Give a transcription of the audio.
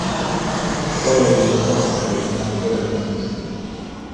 错愕的林萧不久迎来了归来的简溪。